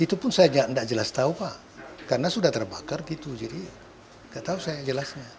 itu pun saya tidak jelas tahu pak karena sudah terbakar gitu jadi nggak tahu saya jelasnya